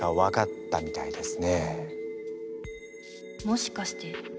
もしかして。